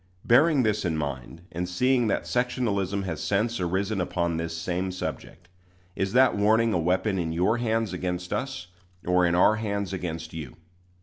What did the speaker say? Bearing this in mind, and seeing that sectionalism has since arisen upon this same subject, is that warning a weapon in your hands against us, or in our hands against you?